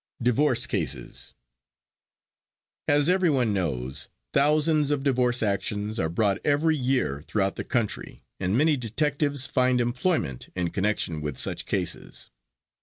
DIVORCE CASES As everyone knows, thousands of divorce actions are brought every year throughout the country and many detectives find employment in connection with such cases.